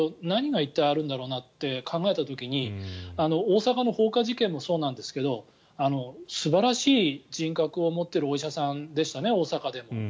何が一体、あるんだろうなって考えた時に大阪の放火事件もそうなんですが素晴らしい人格を持っているお医者さんでしたね、大阪で。